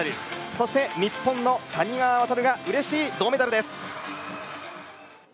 そして、日本の谷川航がうれしい銅メダルです。